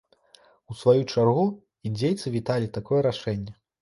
У сваю чаргу, індзейцы віталі такое рашэнне.